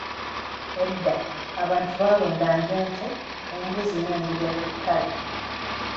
"Edda, abantu baalundanga ente, embuzi n’endiga ku ttale."